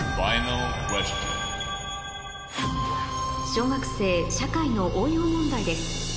小学生社会の応用問題です